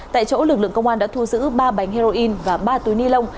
tại chỗ lực lượng công an đã thu giữ ba bánh heroin và ba túi ni lông